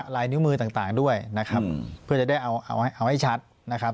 ลายนิ้วมือต่างด้วยนะครับเพื่อจะได้เอาให้ชัดนะครับ